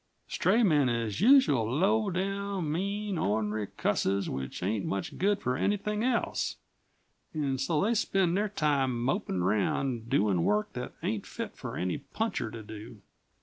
"Stray men is usual low down, mean, ornery cusses which ain't much good for anything else, an' so they spend their time mopin' around, doin' work that ain't fit for any puncher to do."